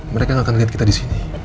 mereka gak akan liat kita disini